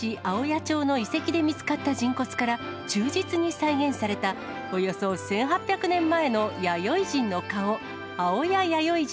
青谷町の遺跡で見つかった人骨から、忠実に再現された、およそ１８００年前の弥生人の顔、青谷弥生